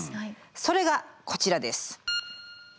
それがこちらです。